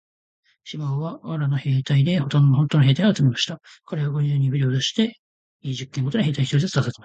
シモンは藁の兵隊でほんとの兵隊を集めました。かれは国中にふれを出して、家十軒ごとに兵隊一人ずつ出させました。